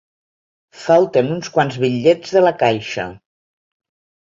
Falten uns quants bitllets de la caixa.